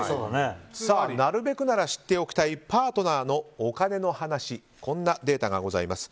なるべくなら知っておきたいパートナーのお金の話こんなデータがございます。